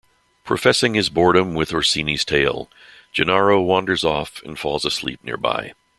Professing his boredom with Orsini's tale Gennaro wanders off and falls asleep nearby.